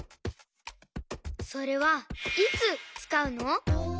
それはいつつかうの？